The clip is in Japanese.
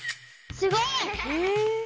すごい！